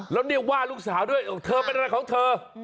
แล้วเรียกว่าลูกสาวด้วยเธอเป็นอะไรของเธอ